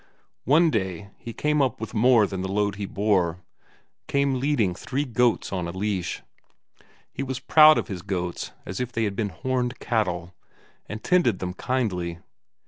One day he came up with more than the load he bore; came leading three goats in a leash. He was proud of his goats as if they had been horned cattle, and tended them kindly.